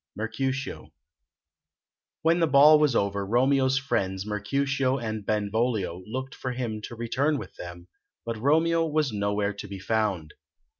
Mercutio When the ball was over, Romeo's friends, Mercutio and Benvolio, looked for him to return with them, but Romeo was nowhere to be found.